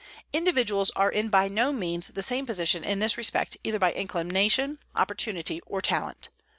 Individuals are in by no means the same position in this respect by either inclination, opportunity or talent.